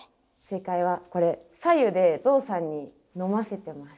正解はこれ白湯でゾウさんに飲ませてます。